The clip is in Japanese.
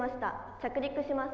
着陸します」。